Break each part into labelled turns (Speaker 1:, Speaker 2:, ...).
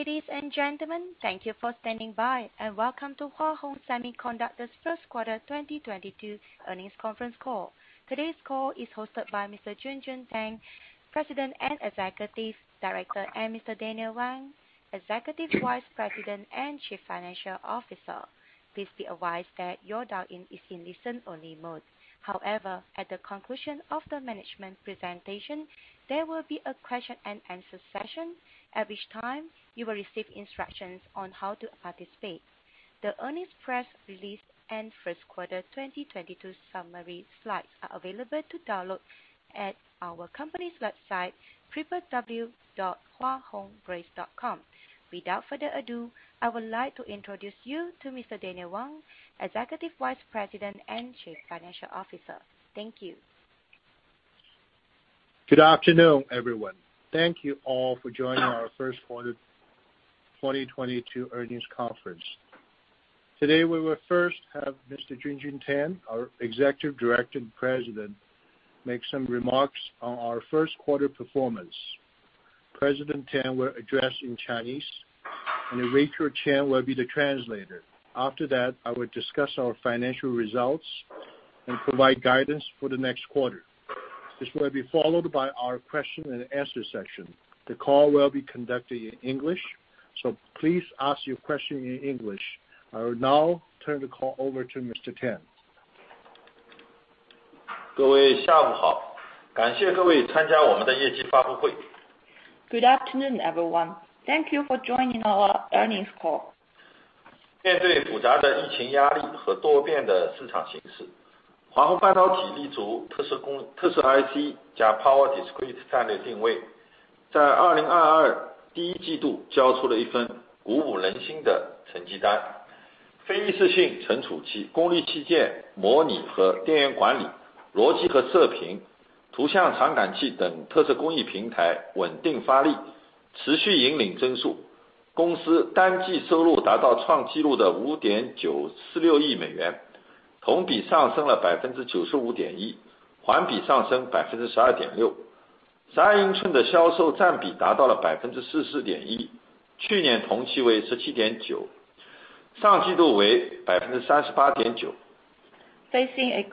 Speaker 1: Ladies and gentlemen, thank you for standing by, and welcome to Hua Hong Semiconductor's first quarter 2022 earnings conference call. Today's call is hosted by Mr. Junjun Tang, President and Executive Director, and Mr. Daniel Wang, Executive Vice President and Chief Financial Officer. Please be advised that your dial-in is in listen-only mode. However, at the conclusion of the management presentation, there will be a question and answer session. At which time, you will receive instructions on how to participate. The earnings press release and first quarter 2022 summary slides are available to download at our company's website, www.huahonggrace.com. Without further ado, I would like to introduce you to Mr. Daniel Wang, Executive Vice President and Chief Financial Officer. Thank you.
Speaker 2: Good afternoon, everyone. Thank you all for joining our first quarter 2022 earnings conference. Today we will first have Mr. Junjun Tang, our Executive Director and President, make some remarks on our first quarter performance. President Tang will address in Chinese, and Rachel Chan will be the translator. After that, I will discuss our financial results and provide guidance for the next quarter. This will be followed by our question and answer section. The call will be conducted in English, so please ask your question in English. I will now turn the call over to Mr. Tang.
Speaker 3: Good afternoon, everyone. Thank you for joining our earnings call. Facing a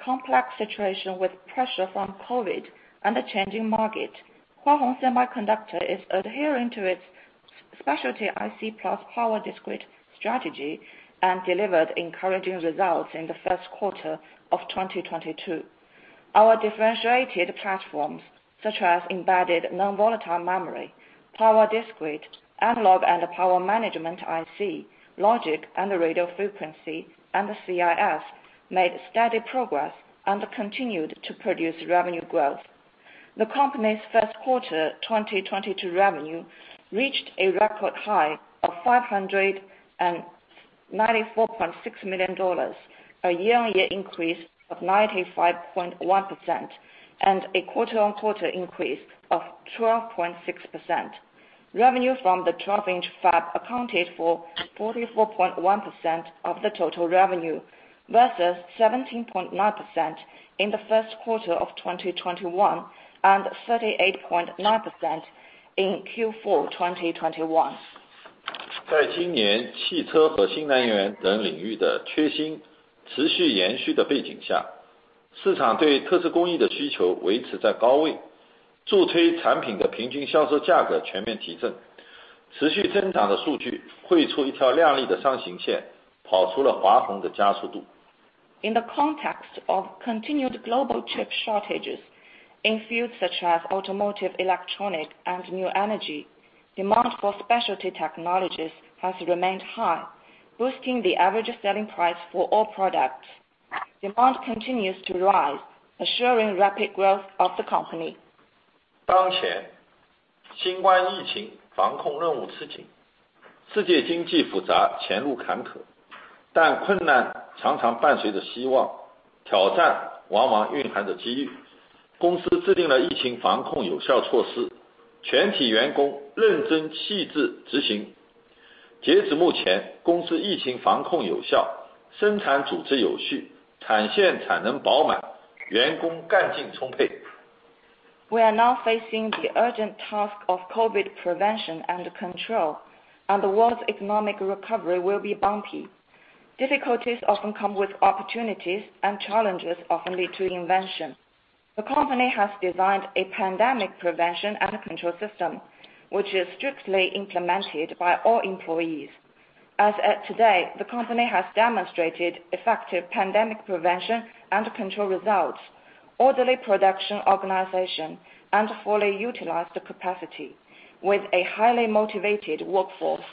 Speaker 3: complex situation with pressure from COVID and the changing market, Hua Hong Semiconductor is adhering to its specialty IC plus power discrete strategy and delivered encouraging results in the first quarter of 2022. Our differentiated platforms, such as embedded non-volatile memory, power discrete, analog and power management IC, logic and radio frequency, and the CIS, made steady progress and continued to produce revenue growth. The company's first quarter 2022 revenue reached a record high of $594.6 million, a year-on-year increase of 95.1% and a quarter-on-quarter increase of 12.6%. Revenue from the twelve-inch fab accounted for 44.1% of the total revenue versus 17.9% in the first quarter of 2021 and 38.9% in Q4 2021. In the context of continued global chip shortages in fields such as automotive, electronics, and new energy, demand for specialty technologies has remained high, boosting the average selling price for all products. Demand continues to rise, assuring rapid growth of the company. We are now facing the urgent task of COVID prevention and control, and the world's economic recovery will be bumpy. Difficulties often come with opportunities, and challenges often lead to invention. The company has designed a pandemic prevention and control system, which is strictly implemented by all employees. As at today, the company has demonstrated effective pandemic prevention and control results, orderly production organization, and fully utilized the capacity with a highly motivated workforce.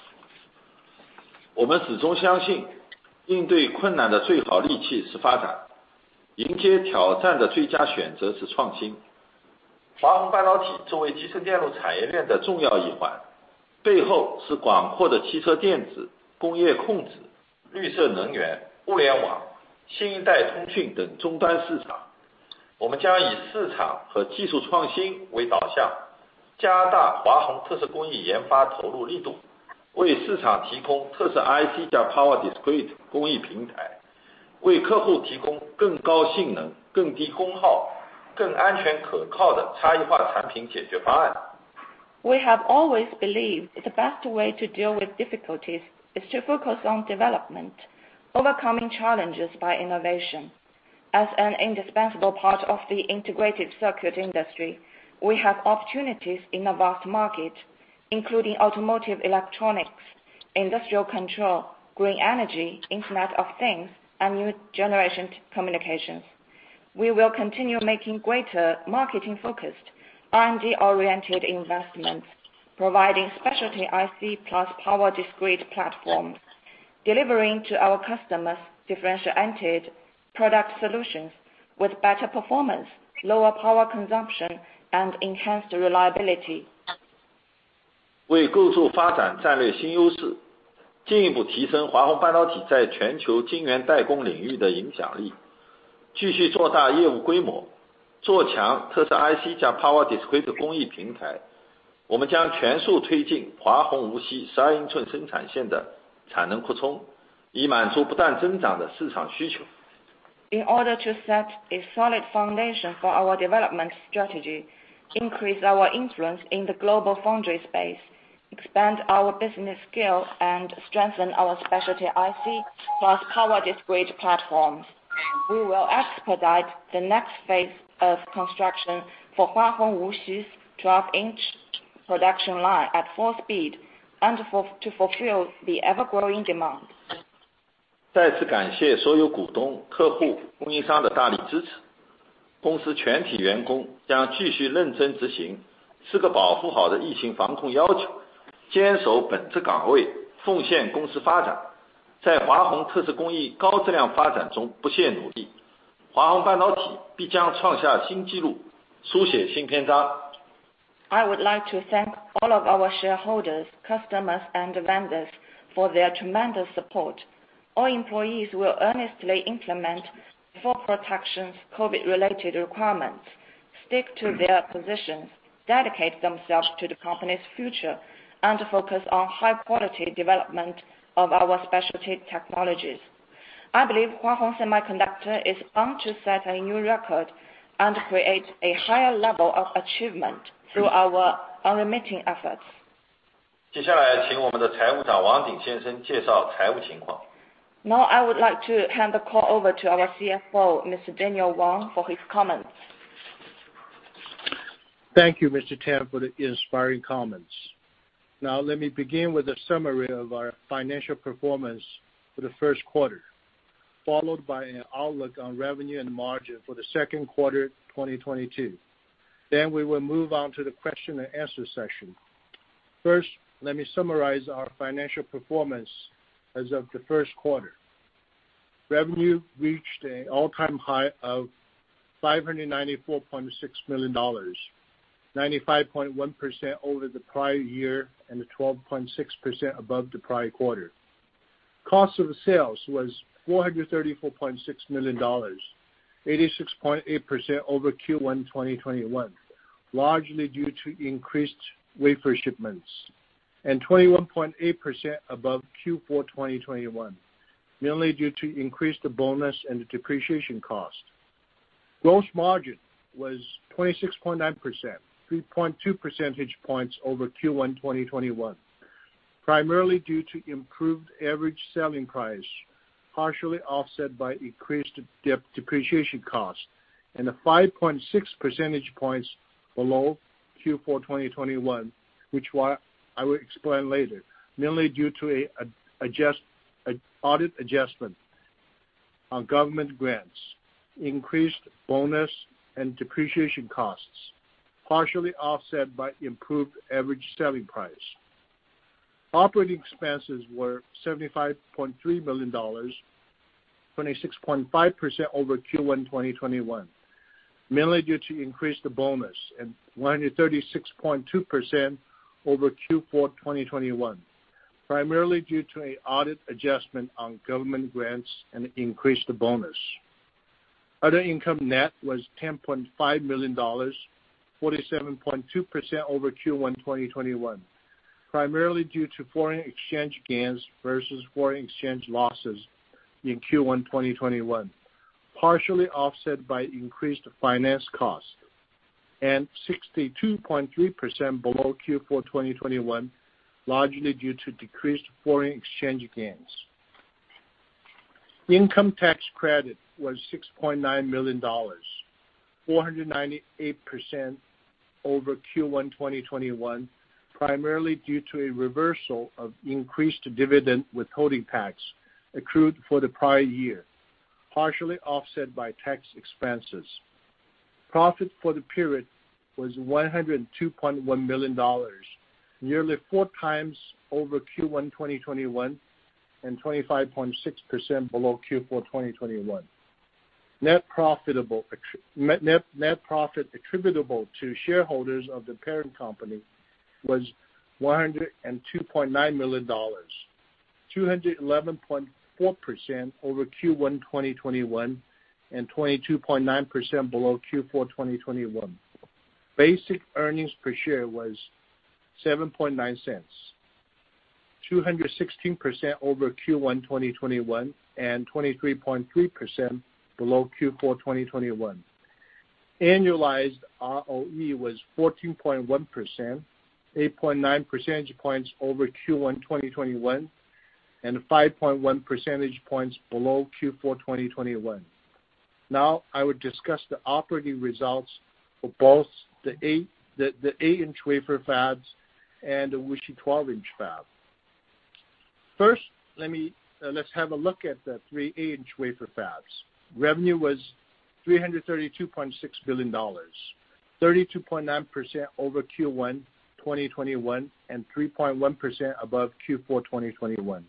Speaker 3: We have always believed the best way to deal with difficulties is to focus on development, overcoming challenges by innovation. As an indispensable part of the integrated circuit industry, we have opportunities in a vast market, including automotive electronics, industrial control, green energy, Internet of Things, and new generation communications. We will continue making greater marketing-focused, R&D-oriented investments, providing specialty IC plus power discrete platforms, delivering to our customers differentiated product solutions with better performance, lower power consumption, and enhanced reliability. In order to set a solid foundation for our development strategy, increase our influence in the global foundry space, expand our business scale, and strengthen our specialty IC plus power discrete platforms, we will expedite the next phase of construction for Hua Hong Wuxi's 12-inch production line at full speed to fulfill the ever-growing demand. I would like to thank all of our shareholders, customers and vendors for their tremendous support. All employees will earnestly implement full protections COVID-related requirements, stick to their positions, dedicate themselves to the company's future, and focus on high-quality development of our specialty technologies. I believe Hua Hong Semiconductor is on track to set a new record and create a higher level of achievement through our unremitting efforts. Now I would like to hand the call over to our CFO, Mr. Daniel Wang, for his comments.
Speaker 2: Thank you, Mr. Tang, for the inspiring comments. Now let me begin with a summary of our financial performance for the first quarter, followed by an outlook on revenue and margin for the second quarter 2022. We will move on to the question and answer session. First, let me summarize our financial performance as of the first quarter. Revenue reached an all-time high of $594.6 million, 95.1% over the prior year, and 12.6% above the prior quarter. Cost of sales was $434.6 million, 86.8% over Q1 2021, largely due to increased wafer shipments, and 21.8% above Q4 2021, mainly due to increased bonus and depreciation cost. Gross margin was 26.9%, 3.2 percentage points over Q1 2021, primarily due to improved average selling price, partially offset by increased depreciation costs, and 5.6 percentage points below Q4 2021. I will explain later, mainly due to an audit adjustment on government grants, increased bonus and depreciation costs, partially offset by improved average selling price. Operating expenses were $75.3 million, 26.5% over Q1 2021, mainly due to increased bonus and 136.2% over Q4 2021, primarily due to an audit adjustment on government grants and increased bonus. Other income net was $10.5 million, 47.2% over Q1 2021, primarily due to foreign exchange gains versus foreign exchange losses in Q1 2021, partially offset by increased finance costs and 62.3% below Q4 2021, largely due to decreased foreign exchange gains. Income tax credit was $6.9 million, 498% over Q1 2021, primarily due to a reversal of increased dividend withholding tax accrued for the prior year, partially offset by tax expenses. Profit for the period was $102.1 million, nearly four times over Q1 2021 and 25.6% below Q4 2021. Net, net profit attributable to shareholders of the parent company was $102.9 million, 211.4% over Q1 2021 and 22.9% below Q4 2021. Basic earnings per share was $0.079. 216% over Q1 2021 and 23.3% below Q4 2021. Annualized ROE was 14.1%, 8.9 percentage points over Q1 2021, and 5.1 percentage points below Q4 2021. Now I will discuss the operating results for both the eight inch wafer fabs and the Wuxi 12-inch fab. First, let's have a look at the three eight inch wafer fabs. Revenue was $332.6 billion, 32.9% over Q1 2021, and 3.1% above Q4 2021.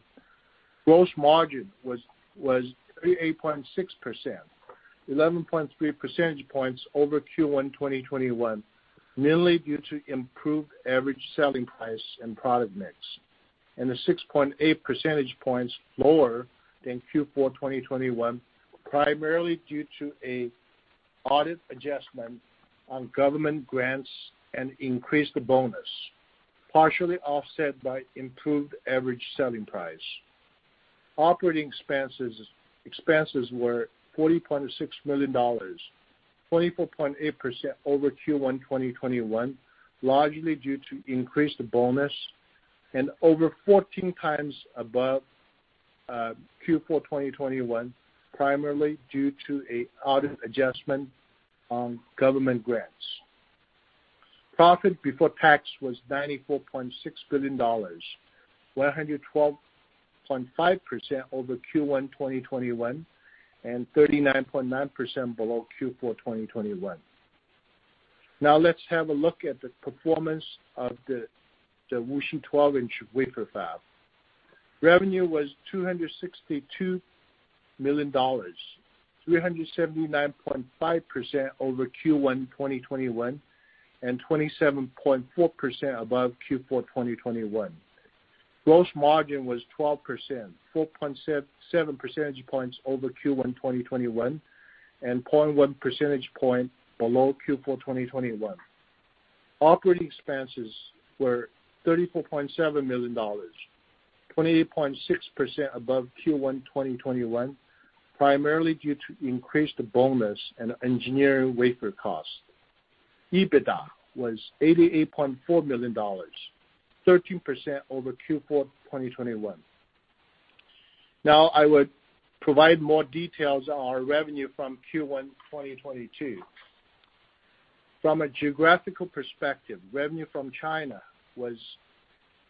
Speaker 2: Gross margin was 38.6%, 11.3 percentage points over Q1 2021, mainly due to improved average selling price and product mix, and 6.8 percentage points lower than Q4 2021, primarily due to an audit adjustment on government grants and increased bonus, partially offset by improved average selling price. Operating expenses were $40.6 million, 24.8% over Q1 2021, largely due to increased bonus and over 14 times above Q4 2021, primarily due to an audit adjustment on government grants. Profit before tax was $94.6 billion, 112.5% over Q1 2021, and 39.9% below Q4 2021. Now let's have a look at the performance of the Wuxi 12-inch wafer fab. Revenue was $262 million, 379.5% over Q1 2021, and 27.4% above Q4 2021. Gross margin was 12%, 4.7 percentage points over Q1 2021, and 0.1 percentage point below Q4 2021. Operating expenses were $34.7 million, 28.6% above Q1 2021, primarily due to increased bonus and engineering wafer costs. EBITDA was $88.4 million, 13% over Q4 2021. Now I will provide more details on our revenue from Q1 2022. From a geographical perspective, revenue from China was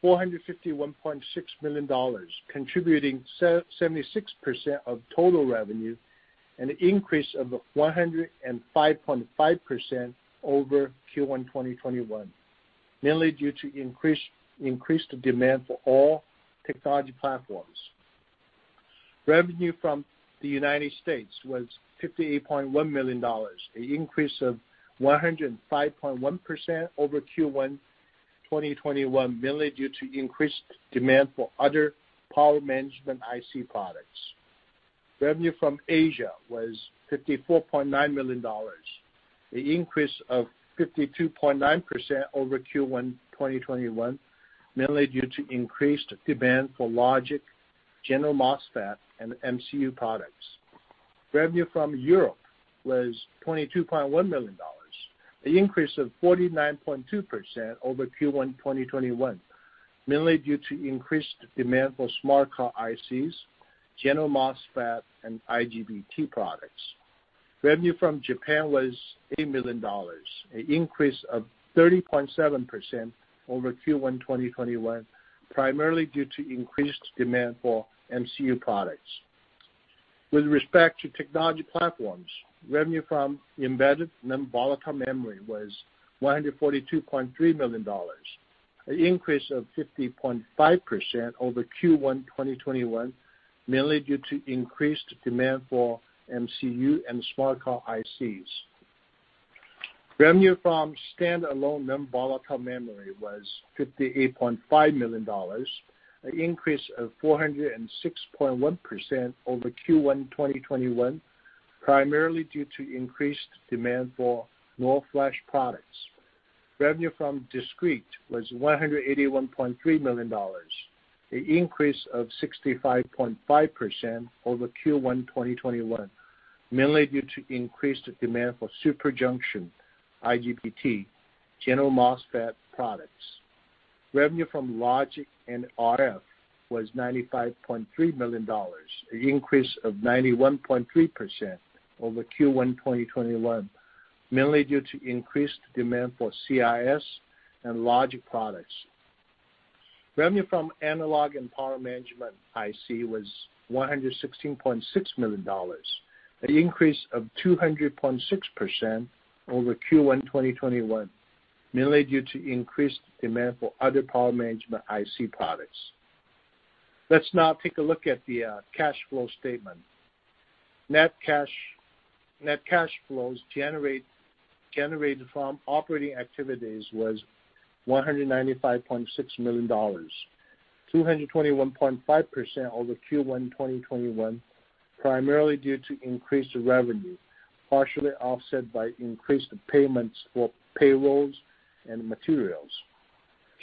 Speaker 2: $451.6 million, contributing 76% of total revenue, an increase of 105.5% over Q1 2021, mainly due to increased demand for all technology platforms. Revenue from the United States was $58.1 million, an increase of 105.1% over Q1 2021, mainly due to increased demand for other power management IC products. Revenue from Asia was $54.9 million, an increase of 52.9% over Q1 2021, mainly due to increased demand for logic, general MOSFET, and MCU products. Revenue from Europe was $22.1 million, an increase of 49.2% over Q1 2021, mainly due to increased demand for smart card ICs, general MOSFET, and IGBT products. Revenue from Japan was $8 million, an increase of 30.7% over Q1 2021, primarily due to increased demand for MCU products. With respect to technology platforms, revenue from embedded non-volatile memory was $142.3 million, an increase of 50.5% over Q1 2021, mainly due to increased demand for MCU and smart card ICs. Revenue from standalone non-volatile memory was $58.5 million, an increase of 406.1% over Q1 2021, primarily due to increased demand for NOR flash products. Revenue from discrete was $181.3 million, an increase of 65.5% over Q1 2021, mainly due to increased demand for super junction, IGBT, general MOSFET products. Revenue from logic and RF was $95.3 million, an increase of 91.3% over Q1 2021, mainly due to increased demand for CIS and logic products. Revenue from analog and power management IC was $116.6 million, an increase of 200.6% over Q1 2021, mainly due to increased demand for other power management IC products. Let's now take a look at the cash flow statement. Net cash flows generated from operating activities was $195.6 million, 221.5% over Q1 2021. Primarily due to increased revenue, partially offset by increased payments for payrolls and materials.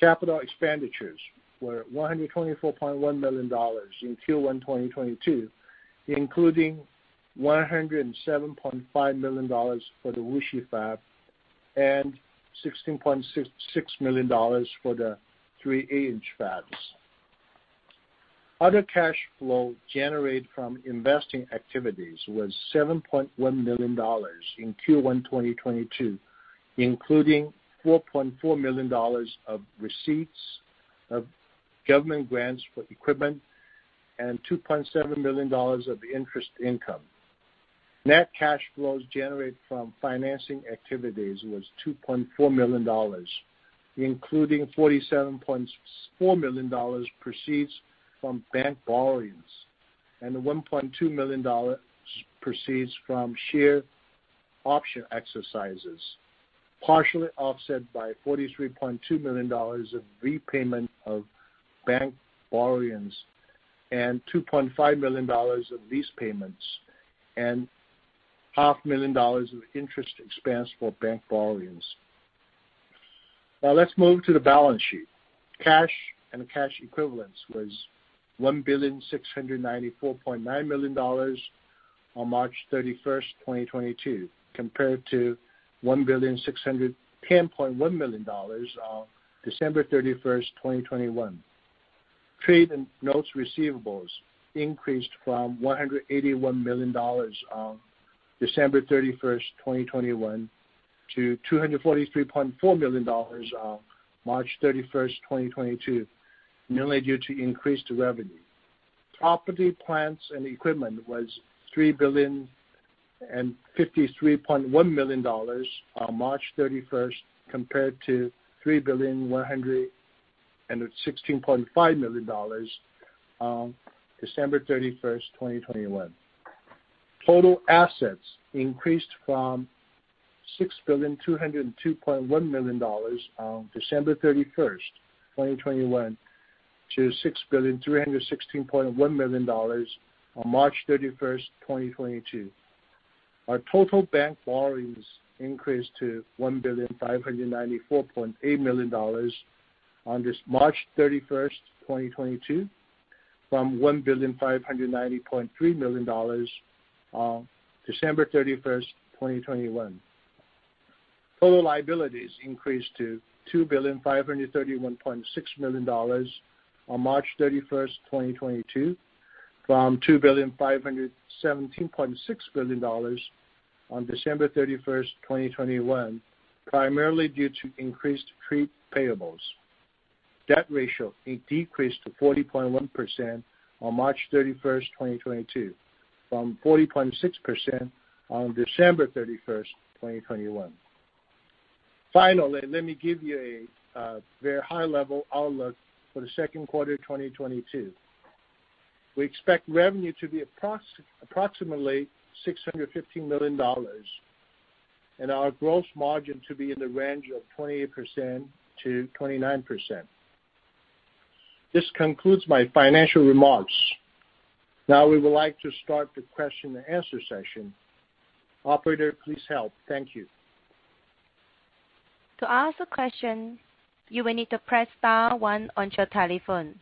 Speaker 2: Capital expenditures were $124.1 million in Q1 2022, including $107.5 million for the Wuxi fab and $16.66 million for the three eight-inch fabs. Other cash flow generated from investing activities was $7.1 million in Q1 2022, including $4.4 million of receipts of government grants for equipment and $2.7 million of interest income. Net cash flows generated from financing activities was $2.4 million, including $47.4 million proceeds from bank borrowings, and $1.2 million proceeds from share option exercises, partially offset by $43.2 million of repayment of bank borrowings and $2.5 million of lease payments and half million dollars of interest expense for bank borrowings. Now let's move to the balance sheet. Cash and cash equivalents was $1,694.9 million on March 31st, 2022, compared to $1,610.1 million on December 31st, 2021. Trade and notes receivables increased from $181 million on December 31st, 2021, to $243.4 million on March 31st, 2022, mainly due to increased revenue. Property, plant, and equipment was $3,053.1 million on March 31st, compared to $3,116.5 million on December 31st, 2021. Total assets increased from $6,202.1 million on December 31st, 2021, to $6,316.1 million on March 31st, 2022. Our total bank borrowings increased to $1.595 billion on March 31st, 2022, from $1.590 billion on December 31st, 2021. Total liabilities increased to $2.532 billion on March 31st, 2022, from $2.518 billion on December 31st, 2021, primarily due to increased trade payables. Debt ratio decreased to 40.1% on March 31st, 2022, from 40.6% on December 31st, 2021. Finally, let me give you a very high-level outlook for the second quarter 2022. We expect revenue to be approximately $650 million, and our gross margin to be in the range of 28%-29%. This concludes my financial remarks. Now, we would like to start the question and answer session. Operator, please help. Thank you.
Speaker 1: To ask a question, you will need to press star one on your telephone.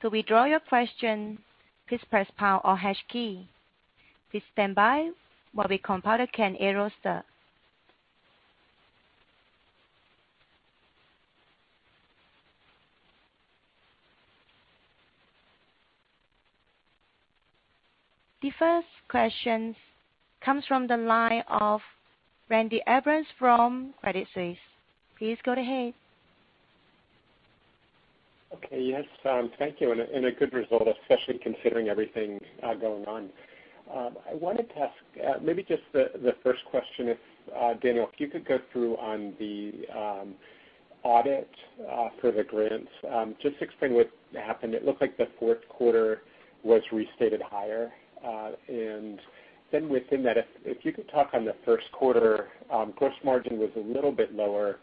Speaker 1: To withdraw your question, please press pound or hash key. Please stand by while we compile the Q&A roster. The first question comes from the line of Randy Abrams from Credit Suisse. Please go ahead.
Speaker 4: Okay. Yes. Thank you. A good result, especially considering everything going on. I wanted to ask, maybe just the first question, if Daniel could go through on the audit for the grants, just explain what happened. It looked like the fourth quarter was restated higher. Then within that, if you could talk on the first quarter, gross margin was a little bit lower,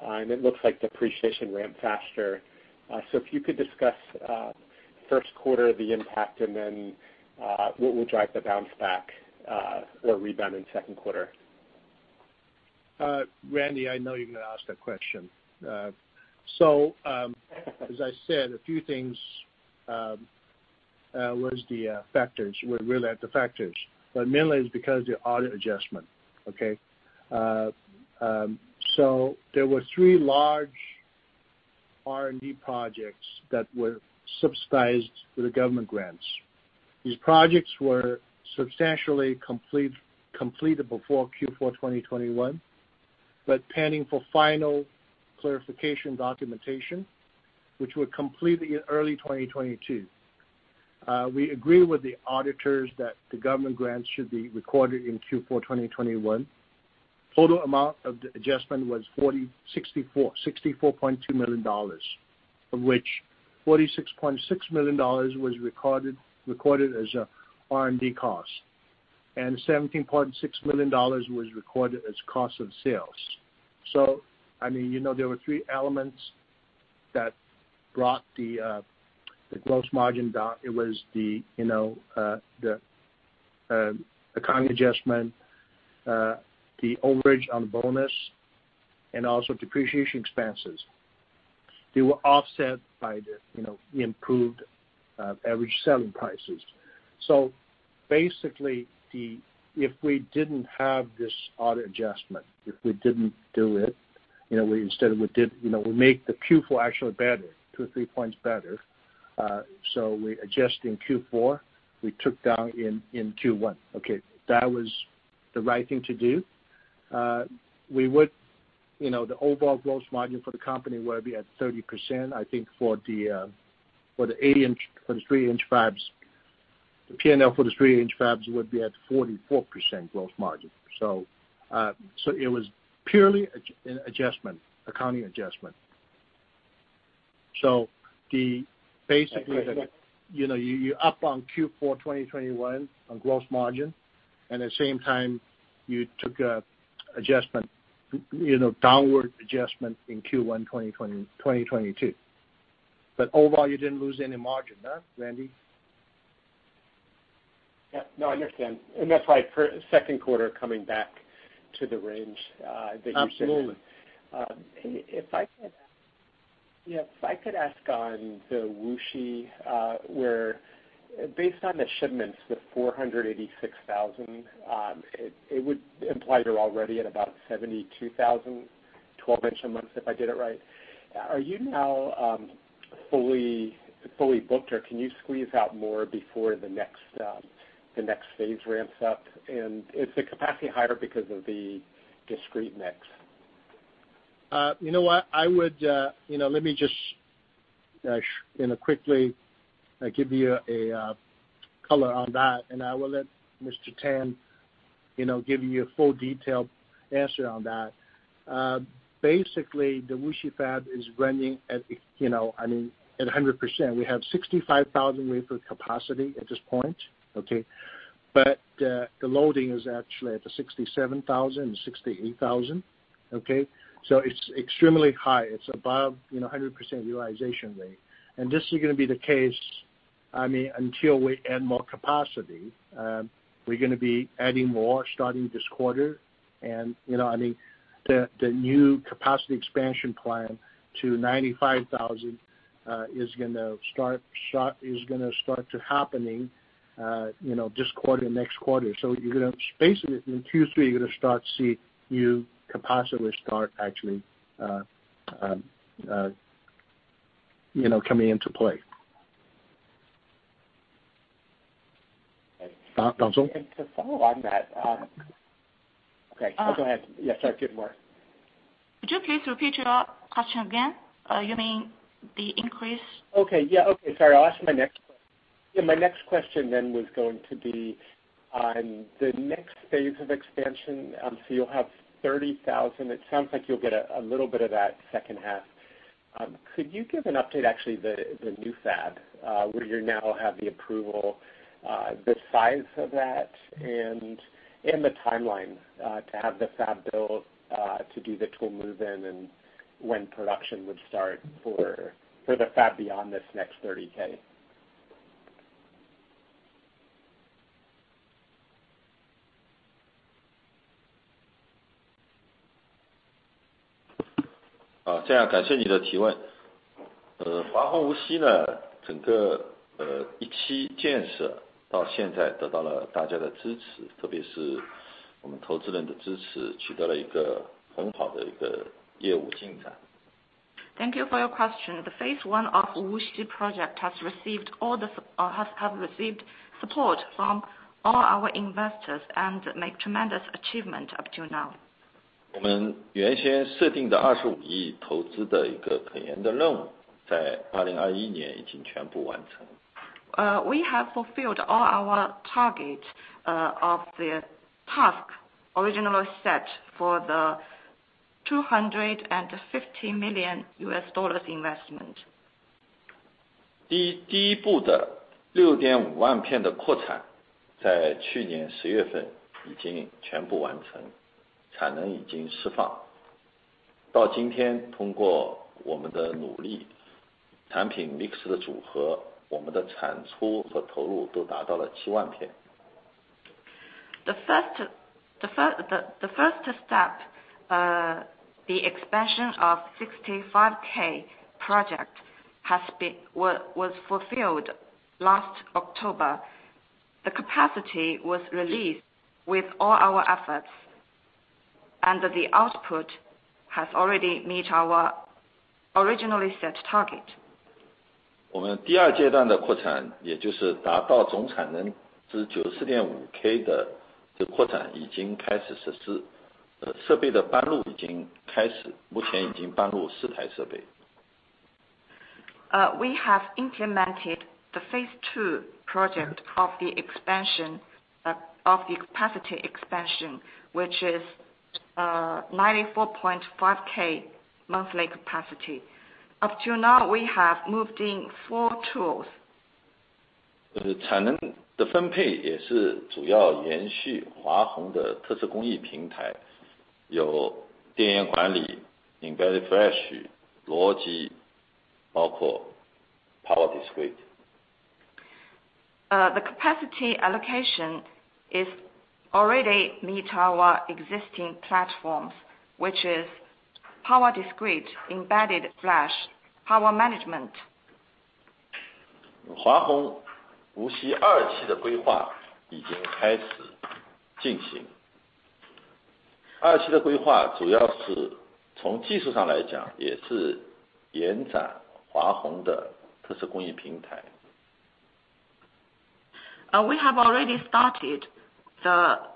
Speaker 4: and it looks like depreciation ran faster. If you could discuss first quarter, the impact, and then what will drive the bounce back or rebound in second quarter?
Speaker 2: Randy, I know you're gonna ask that question. As I said, a few things was the factors. We are really at the factors. Mainly it's because the audit adjustment, okay? There were three large R&D projects that were subsidized through the government grants. These projects were substantially completed before Q4 2021, but pending for final clarification documentation, which were completed in early 2022. We agree with the auditors that the government grants should be recorded in Q4 2021. Total amount of the adjustment was $64.2 million, of which $46.6 million was recorded as a R&D cost, and $17.6 million was recorded as cost of sales. I mean, you know, there were three elements that brought the gross margin down. It was, you know, the accounting adjustment, the overage on bonus and also depreciation expenses. They were offset by the, you know, improved average selling prices. Basically, if we didn't have this audit adjustment, if we didn't do it, you know, we instead of we did, you know, we make the Q4 actually better, two or three points better. So we adjust in Q4, we took down in Q1, okay. That was the right thing to do. We would, you know, the overall gross margin for the company will be at 30%, I think for the eight inch, for the 12-inch fabs. The P&L for the 12-inch fabs would be at 44% gross margin. So it was purely an adjustment, accounting adjustment. Basically. You know, you up on Q4 2021 on gross margin, and at the same time you took a adjustment, you know, downward adjustment in Q1 2022. Overall, you didn't lose any margin, huh, Randy?
Speaker 4: Yeah. No, I understand. That's why for second quarter coming back to the range that you said.
Speaker 2: Absolutely.
Speaker 4: If I could ask on the Wuxi, where based on the shipments, the 486,000, it would imply you're already at about 72,000 12-inch a month, if I did it right. Are you now fully booked or can you squeeze out more before the next phase ramps up? Is the capacity higher because of the discrete mix?
Speaker 2: You know what? I would, you know, let me just, you know, quickly, give you a color on that, and I will let Mr. Tang, you know, give you a full detailed answer on that. Basically, the Wuxi fab is running at, you know, I mean, at 100%. We have 65,000 wafer capacity at this point, okay? The loading is actually at the 67,000, 68,000. Okay? It's extremely high. It's above, you know, 100% utilization rate. This is gonna be the case, I mean, until we add more capacity. We're gonna be adding more starting this quarter. You know, I mean, the new capacity expansion plan to 95,000 is gonna start to happen, you know, this quarter, next quarter. You're gonna basically in Q3, start to see new capacity actually, you know, coming into play.
Speaker 4: Okay.
Speaker 2: Junjun.
Speaker 4: To follow on that, okay.
Speaker 3: Uh-
Speaker 4: Go ahead. Yeah, sorry. Go more.
Speaker 3: Would you please repeat your question again? You mean the increase?
Speaker 4: My next question was going to be on the next phase of expansion. So you'll have 30,000. It sounds like you'll get a little bit of that second half. Could you give an update, actually, on the new fab where you now have the approval, the size of that and the timeline to have the fab built, to do the tool move-in and when production would start for the fab beyond this next 30K?
Speaker 3: Thank you for your question. Phase 1 of the Wuxi project has received all the support from all our investors and has made tremendous achievements up to now. We have fulfilled all our targets of the task originally set for the $250 million investment. The first step, the expansion of the 65K project, was fulfilled last October. The capacity was released with all our efforts, and the output has already met our originally set target. We have implemented Phase 2 project of the expansion of the capacity expansion, which is 94.5K monthly capacity. Up to now, we have moved in four tools. The capacity allocation already meets our existing platforms, which is power discrete, embedded flash, power management. The capacity allocation is already meet our existing platforms, which is power discrete, embedded flash, power management. We are now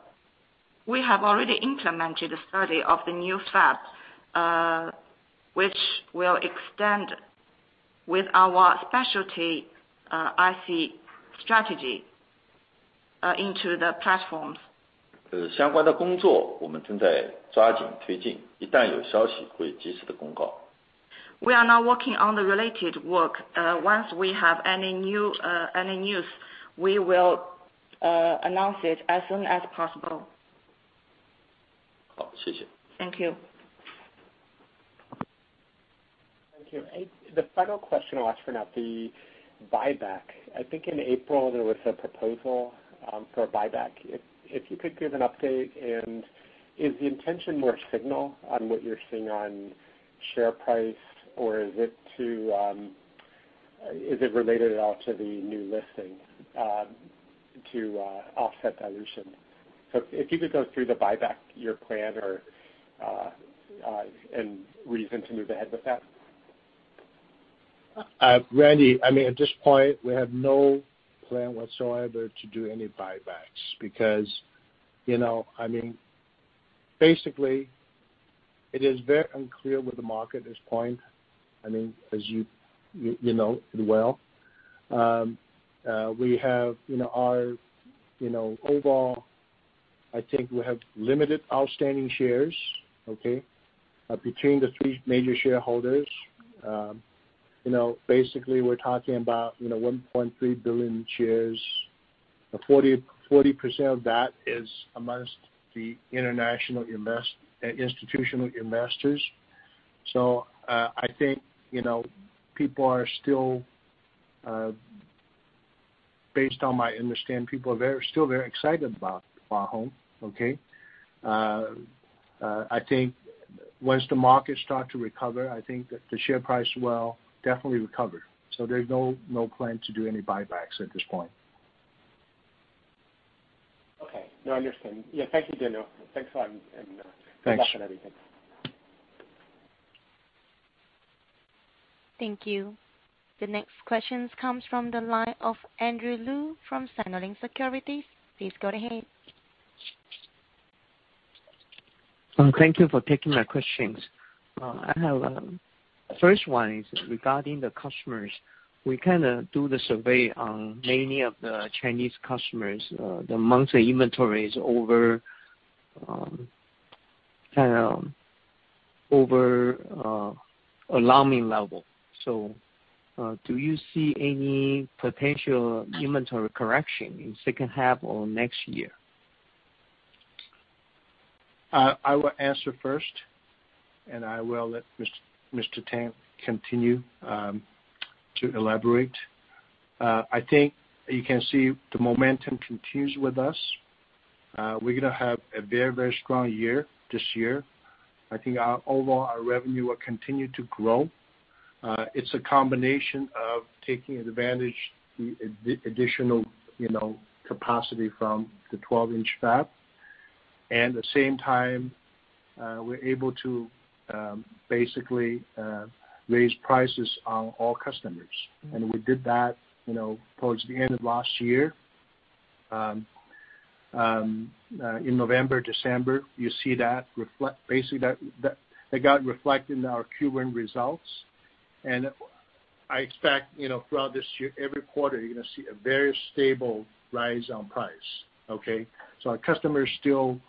Speaker 3: working on the related work. Once we have any news, we will announce it as soon as possible. Thank you.
Speaker 4: Thank you. The final question I'll ask for now, the buyback. I think in April there was a proposal for a buyback. If you could give an update and is the intention more signal on what you're seeing on share price or is it to is it related at all to the new listing, to offset dilution? If you could go through the buyback, your plan or and reason to move ahead with that.
Speaker 2: Randy, I mean, at this point, we have no plan whatsoever to do any buybacks because, you know, I mean, basically it is very unclear with the market at this point. I mean, as you know it well. We have, you know, our, you know, overall I think we have limited outstanding shares, okay? Between the three major shareholders, you know, basically we're talking about, you know, 1.3 billion shares. 40% of that is amongst the international institutional investors. I think, you know, people are still, based on my understanding, people are very, still very excited about Hua Hong, okay? I think once the market start to recover, I think the share price will definitely recover. So there's no plan to do any buybacks at this point.
Speaker 4: Okay. No, I understand. Yeah, thank you, Daniel. Thanks a lot.
Speaker 2: Thanks.
Speaker 4: Good luck on everything.
Speaker 1: Thank you. The next questions comes from the line of Andrew Lu from Sinolink Securities. Please go ahead.
Speaker 5: Thank you for taking my questions. I have first one is regarding the customers. We kinda do the survey on many of the Chinese customers. The monthly inventory is over alarming level. Do you see any potential inventory correction in second half or next year?
Speaker 2: I will answer first, and I will let Mr. Tang continue to elaborate. I think you can see the momentum continues with us. We're gonna have a very, very strong year this year. I think our overall revenue will continue to grow. It's a combination of taking advantage of the additional, you know, capacity from the 12-inch fab, and at the same time, we're able to basically raise prices on all customers. We did that, you know, towards the end of last year, in November, December. Basically that got reflected in our Q1 results. I expect, you know, throughout this year, every quarter, you're gonna see a very stable rise in price, okay? Our customers still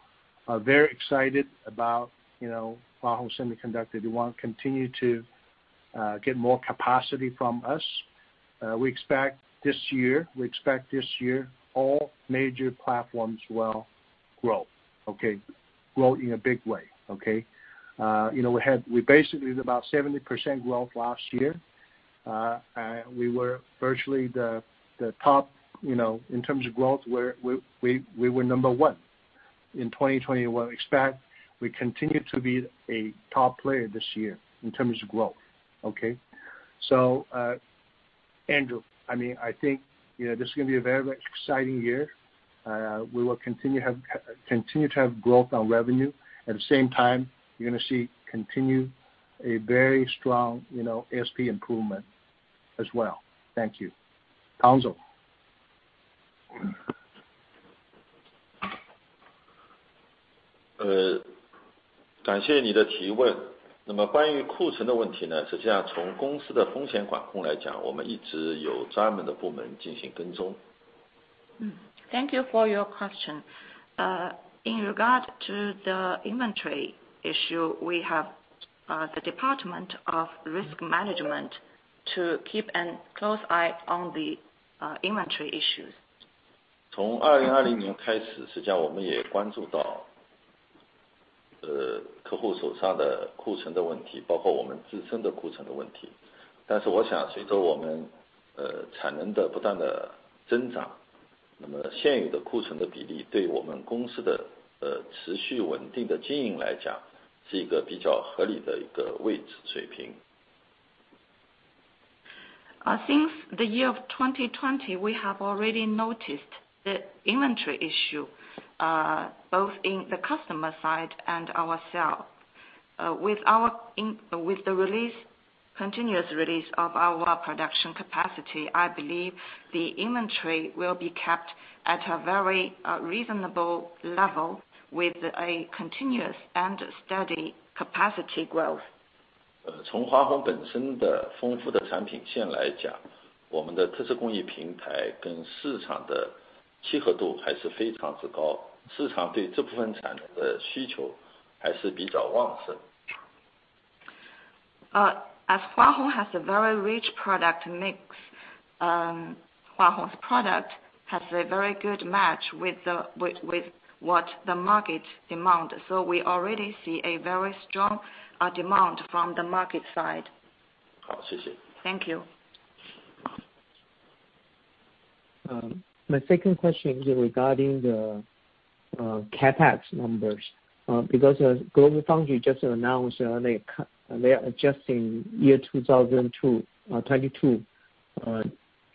Speaker 2: are very excited about, you know, Hua Hong Semiconductor. They want to continue to get more capacity from us. We expect this year all major platforms will grow, okay? Grow in a big way, okay? You know, we basically about 70% growth last year. We were virtually the top, you know, in terms of growth, we were number one. In 2020, we expect to continue to be a top player this year in terms of growth, okay? Andrew, I mean, I think, you know, this is gonna be a very, very exciting year. We will continue to have growth on revenue. At the same time, you're gonna see continued a very strong, you know, ASP improvement as well. Thank you. Council.
Speaker 3: Thank you for your question. In regard to the inventory issue, we have the Department of Risk Management to keep a close eye on the inventory issues. Since the year of 2020, we have already noticed the inventory issue, both in the customer side and ourselves. With the release, continuous release of our production capacity, I believe the inventory will be kept at a very reasonable level with a continuous and steady capacity growth. As Hua Hong has a very rich product mix, Hua Hong's product has a very good match with what the market demand. We already see a very strong demand from the market side. Thank you.
Speaker 5: My second question is regarding the CapEx numbers, because GlobalFoundries just announced they are adjusting 2022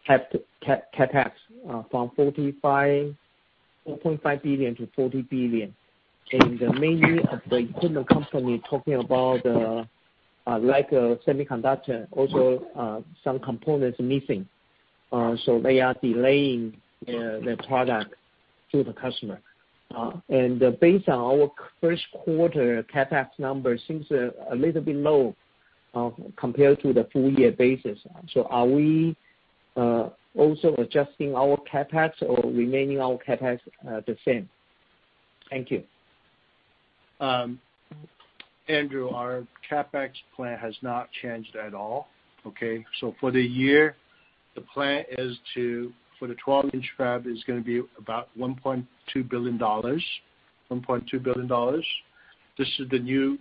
Speaker 5: CapEx from $4.5 billion to $4 billion. Many of the equipment company talking about the, like, semiconductor also, some components are missing, so they are delaying the product to the customer. Based on our first quarter CapEx numbers seems a little bit low, compared to the full year basis. Are we also adjusting our CapEx or remaining our CapEx the same? Thank you.
Speaker 2: Andrew, our CapEx plan has not changed at all, okay? For the year, the plan is to, for the 12-inch fab is gonna be about $1.2 billion. This is the new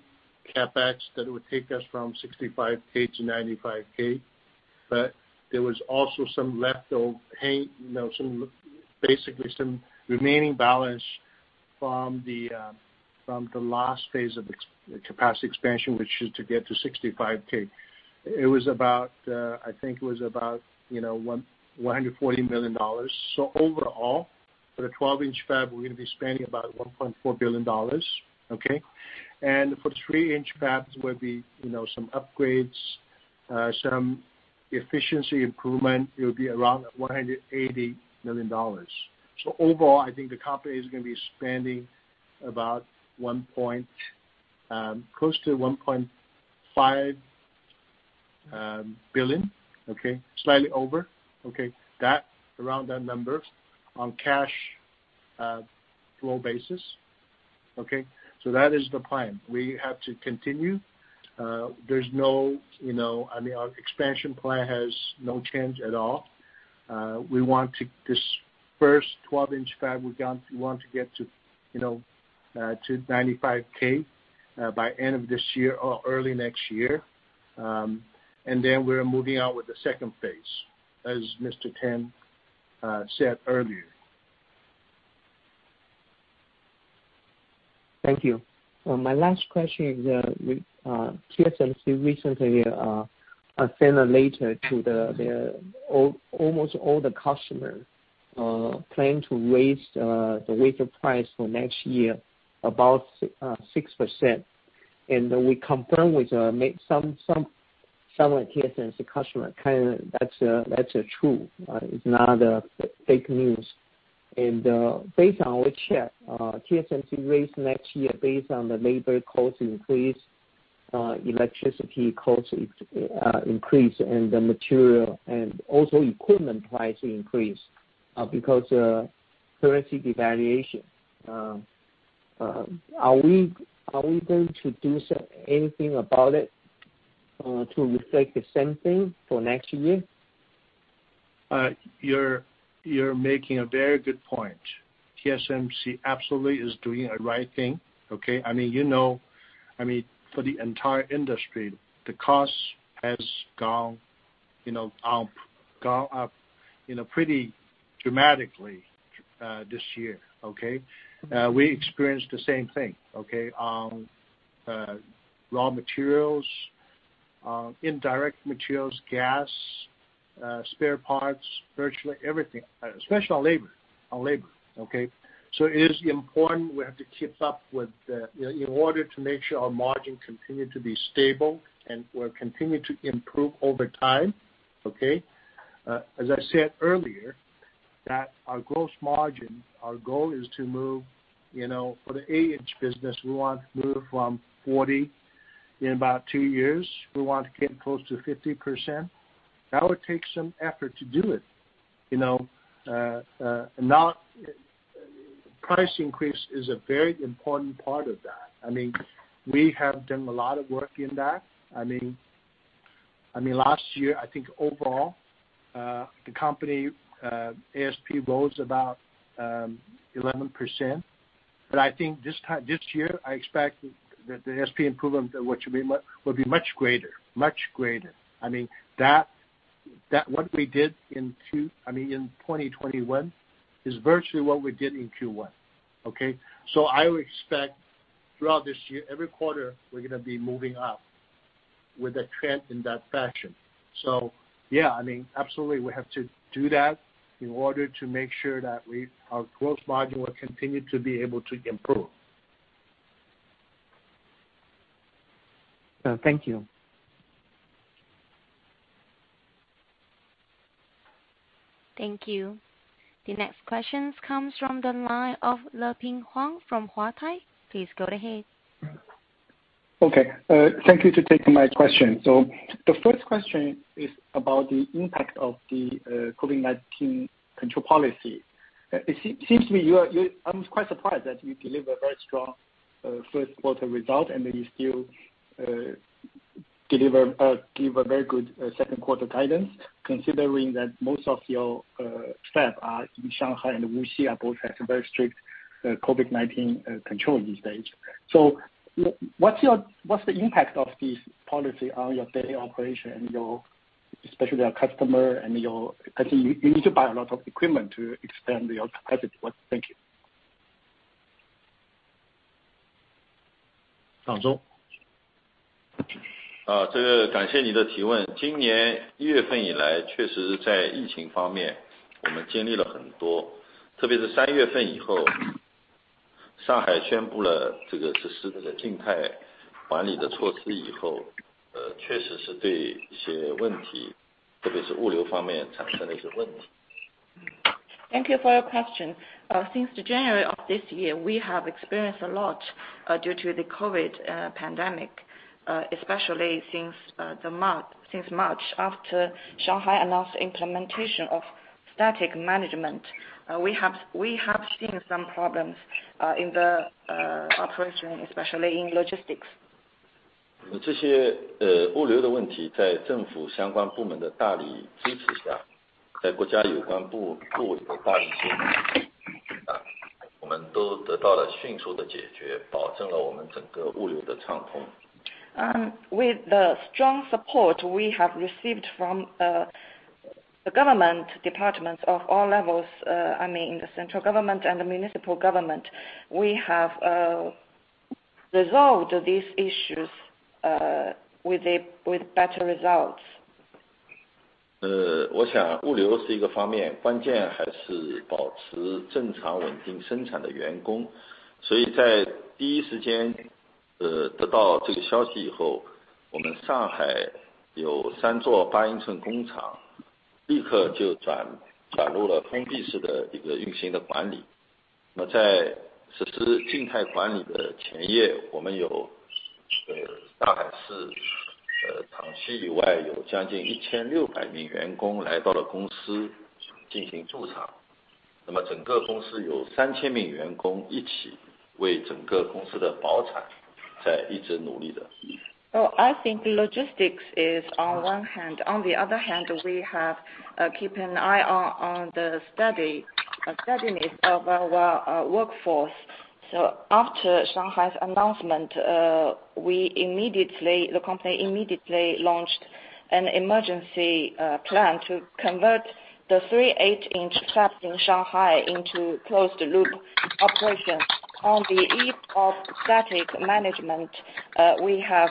Speaker 2: CapEx that would take us from 65K to 95K. There was also some leftover pay, you know, basically some remaining balance from the, from the last phase of capacity expansion, which is to get to 65K. It was about, I think it was about, you know, $140 million. Overall, for the 12-inch fab, we're gonna be spending about $1.4 billion, okay? For the eight inch fabs, where we, you know, some upgrades, some efficiency improvement, it will be around $180 million. Overall, I think the company is gonna be spending about 1.5, close to $1.5 billion, okay? Slightly over, okay? Around that number on cash flow basis. Okay? That is the plan. We have to continue. There's no, you know. I mean, our expansion plan has no change at all. We want to get this first 12-inch fab to 95K by end of this year or early next year. We're moving on with the second phase, as Mr. Tang said earlier.
Speaker 5: Thank you. My last question is, with TSMC recently sent a letter to almost all the customers, planning to raise the wafer price for next year about 6%. We confirm with some TSMC customer, kind of that's true. It's not fake news. Based on we check, TSMC raise next year based on the labor cost increase, electricity cost increase, and the material, and also equipment price increase, because currency devaluation. Are we going to do anything about it, to reflect the same thing for next year?
Speaker 2: You're making a very good point. TSMC absolutely is doing the right thing, okay? I mean, for the entire industry, the cost has gone up pretty dramatically this year, okay? We experienced the same thing, okay? Raw materials, indirect materials, gas, spare parts, virtually everything, especially on labor, okay? It is important, in order to make sure our margin continues to be stable and will continue to improve over time, okay? As I said earlier, our gross margin, our goal is to move, for the eight-inch business, we want to move from 40%. In about two years, we want to get close to 50%. That would take some effort to do it, you know. Now price increase is a very important part of that. I mean, we have done a lot of work in that. I mean, last year, I think overall, the company, ASP rose about 11%. I think this year, I expect that the ASP improvement will be much greater, much greater. I mean that what we did in 2021 is virtually what we did in Q1, okay? I would expect throughout this year, every quarter, we're gonna be moving up with the trend in that fashion. Yeah, I mean, absolutely we have to do that in order to make sure that our gross margin will continue to be able to improve.
Speaker 5: Thank you.
Speaker 6: Thank you. The next question comes from the line of Leping Huang from Huatai Securities. Please go ahead.
Speaker 7: Okay. Thank you for taking my question. The first question is about the impact of the COVID-19 control policy. It seems to me. I was quite surprised that you deliver very strong first quarter result, and then you still give a very good second quarter guidance, considering that most of your fabs are in Shanghai and Wuxi, both have very strict COVID-19 control these days. What's the impact of this policy on your daily operation, especially your customer and your. I think you need to buy a lot of equipment to expand your capacity. Thank you.
Speaker 3: Thank you for your question. Since January of this year, we have experienced a lot due to the COVID pandemic, especially since March, after Shanghai announced implementation of static management. We have seen some problems in the operation, especially in logistics. With the strong support we have received from the government departments of all levels, I mean the central government and the municipal government, we have resolved these issues with better results. I think logistics is on one hand. On the other hand, we have kept an eye on the stability of our workforce. After Shanghai's announcement, the company immediately launched an emergency plan to convert the three 8-inch fabs in Shanghai into closed loop operations. On the eve of static management, we have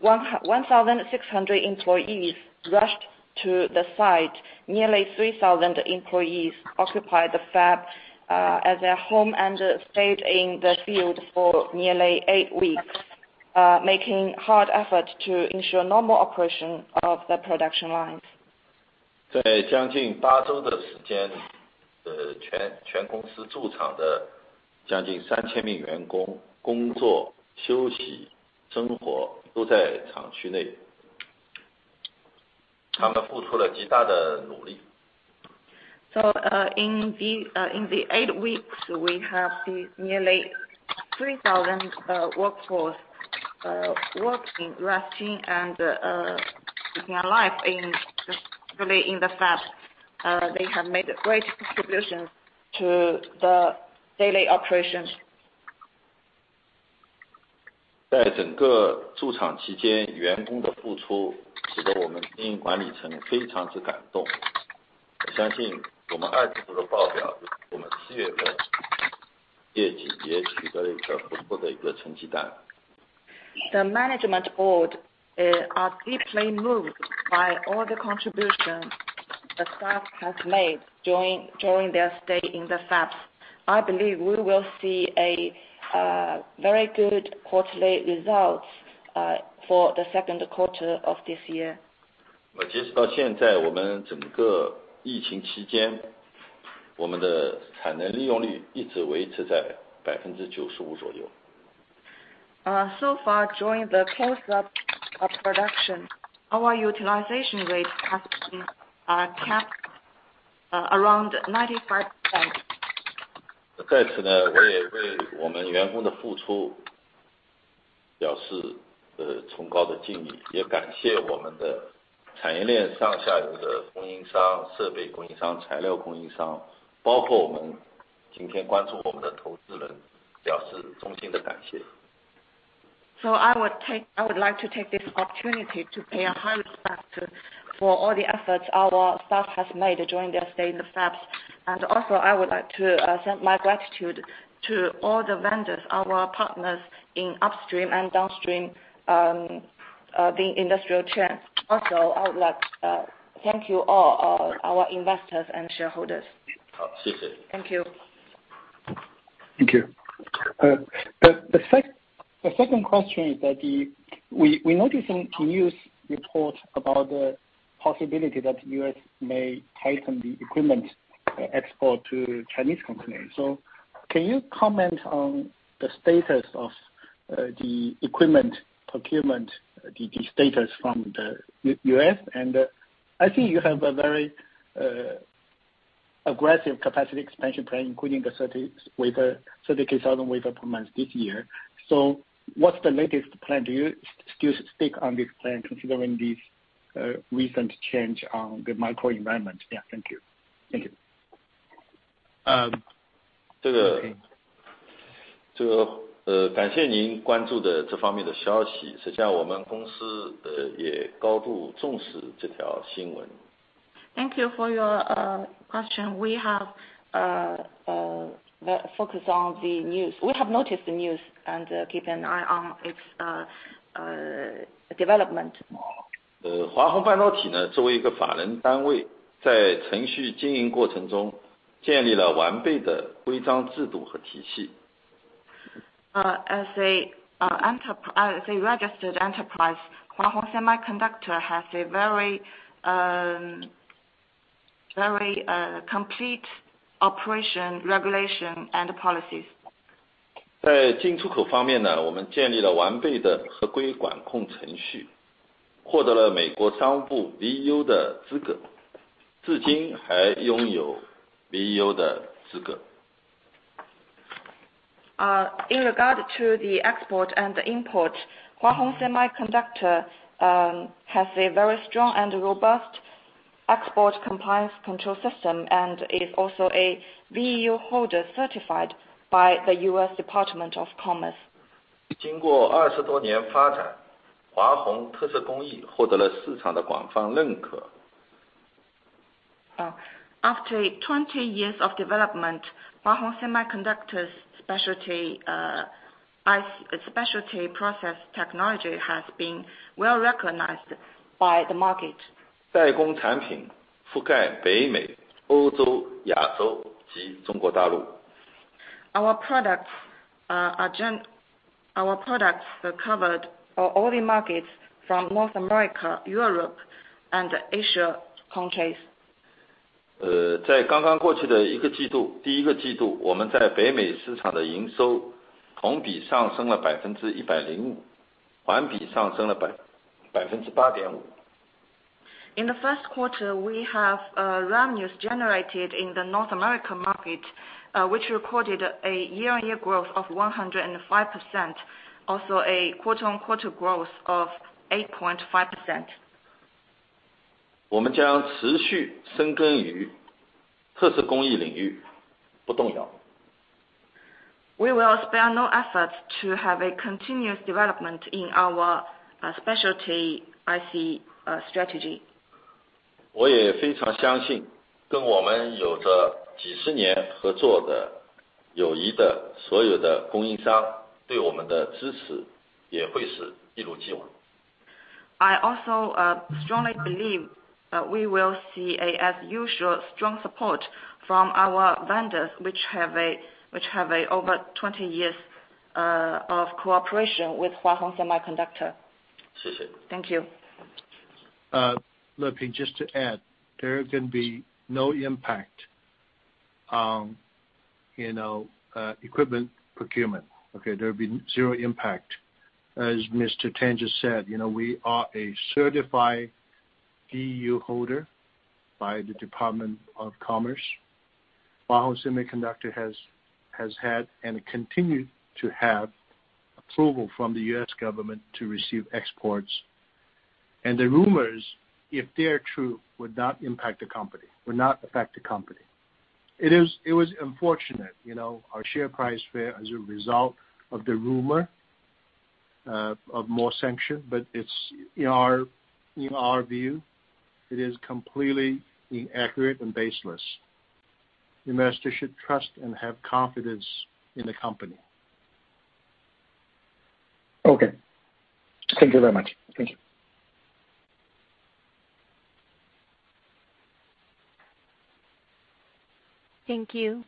Speaker 3: 1,600 employees rushed to the site. Nearly 3,000 employees occupied the fab as their home and stayed in the field for nearly eight weeks, making hard effort to ensure normal operation of the production lines. In the eight weeks, we have the nearly 3,000 workforce working, resting, and living a life in the fab. Really in the fab. They have made a great contribution to the daily operations. The management board are deeply moved by all the contributions the staff has made during their stay in the fabs. I believe we will see a very good quarterly results for the second quarter of this year. So far during the ramp-up of production, our utilization rate has been kept around 95%. I would like to take this opportunity to pay a high respect for all the efforts our staff has made during their stay in the fabs. I would like to send my gratitude to all the vendors, our partners in upstream and downstream, the industrial chain. I would like to thank you all, our investors and shareholders. Thank you.
Speaker 7: Thank you. The second question is that we're noticing news reports about the possibility that U.S. may tighten the equipment export to Chinese companies. Can you comment on the status of the equipment procurement, the status from the U.S.? I see you have a very aggressive capacity expansion plan, including the 30,000 wafers per month this year. What's the latest plan? Do you still stick to this plan considering this recent change on the macro environment? Thank you. Thank you.
Speaker 3: Thank you for your question. We have focused on the news. We have noticed the news and keep an eye on its development. As a registered enterprise, Hua Hong Semiconductor has a very complete operational regulations and policies. In regard to the export and import, Hua Hong Semiconductor has a very strong and robust export compliance control system and is also a VEU holder certified by the U.S. Department of Commerce. After 20 years of development, Hua Hong Semiconductor's specialty process technology has been well-recognized by the market. Our products are covered for all the markets from North America, Europe and Asia countries. In the first quarter, we have revenues generated in the North America market, which recorded a year-on-year growth of 105%, also a quarter-on-quarter growth of 8.5%. We will spare no efforts to have a continuous development in our specialty IC strategy. I also strongly believe that we will see, as usual, strong support from our vendors, which have over 20 years of cooperation with Hua Hong Semiconductor. Thank you.
Speaker 2: Look, just to add, there can be no impact on, you know, equipment procurement. Okay? There will be zero impact. As Mr. Tang just said, you know, we are a certified VEU holder by the Department of Commerce. Hua Hong Semiconductor has had and continue to have approval from the US government to receive exports. The rumors, if they are true, would not impact the company, would not affect the company. It was unfortunate, you know, our share price fell as a result of the rumor of more sanctions, but it's, in our view, it is completely inaccurate and baseless. Investors should trust and have confidence in the company.
Speaker 7: Okay. Thank you very much. Thank you. Thank you.